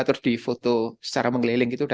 terus di foto secara mengeliling gitu